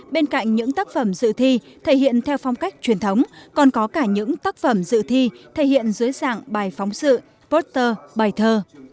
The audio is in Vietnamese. bên cạnh những tác phẩm dự thi thể hiện theo phong cách truyền thống còn có cả những tác phẩm dự thi thể hiện dưới dạng bài phóng sự poster bài thơ